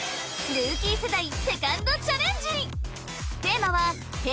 ルーキー世代セカンドチャレンジ！